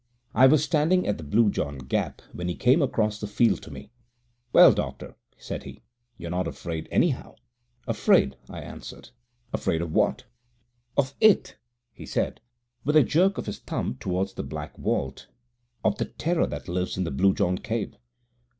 I was standing at the Blue John Gap when he came across the field to me. "Well, doctor," said he, "you're not afraid, anyhow." "Afraid!" I answered. "Afraid of what?" "Of it," said he, with a jerk of his thumb towards the black vault, "of the Terror that lives in the Blue John Cave."